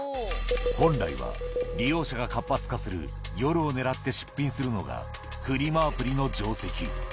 本来は、利用者が活発化する夜を狙って出品するのが、フリマアプリの定石。